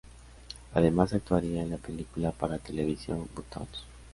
Además actuaría en la película para televisión Buttons.